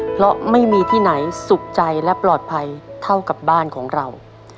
เพราะไม่มีที่ไหนสุขใจและปลอดภัยเท่ากับบ้านของเรา